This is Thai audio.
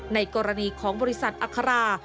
ในกรณีของบริษัทอัครา